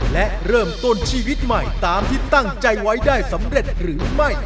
และเริ่มต้นชีวิตใหม่ตามที่ตั้งใจไว้ได้สำเร็จหรือไม่